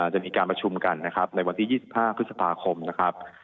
จะมีการประชุมกันนะครับในวันที่๒๕พฤษภาคมนะครับ